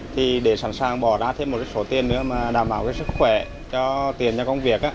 thì để sẵn sàng bỏ ra thêm một số tiền nữa mà đảm bảo sức khỏe cho tiền cho công việc